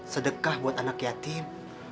sedekah buat anak yatim